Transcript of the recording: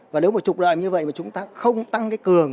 và nếu mà trục lợi như vậy mà chúng ta không tăng cái cường